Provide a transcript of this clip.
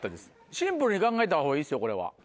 シンプルに考えた方がいいですよこれは。